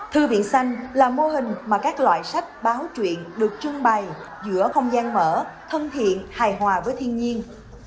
thư viện xanh là mô hình mà các loại sách báo truyện được trưng bày giữa không gian mở thân thiện hài hòa với thiên nhiên